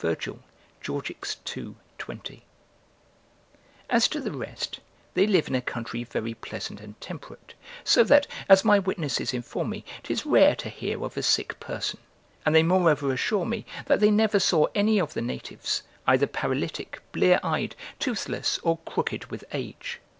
Virgil, Georgics, ii. 20.] As to the rest, they live in a country very pleasant and temperate, so that, as my witnesses inform me, 'tis rare to hear of a sick person, and they moreover assure me, that they never saw any of the natives, either paralytic, bleareyed, toothless, or crooked with age.